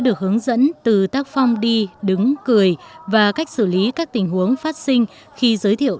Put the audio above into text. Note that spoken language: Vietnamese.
được hướng dẫn từ tác phong đi đứng cười và cách xử lý các tình huống phát sinh khi giới thiệu